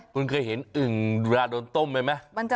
คุณเคยเห็นอึ่งเวลาโดนต้มไปไหม